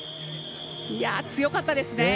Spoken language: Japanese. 強かったですね。